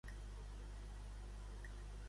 Qui és Elvira Dyangani?